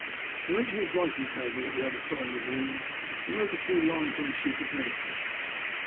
He went to his writing table at the other side of the room and wrote a few lines on a sheet of note paper.